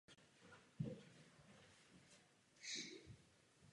Na severním hřebeni pod vlastním vrcholem stojí kovový kříž.